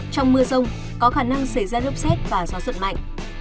trong mưa rông có khả năng xảy ra lốc xét và gió giật mạnh